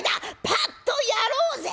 パッとやろうぜ！」。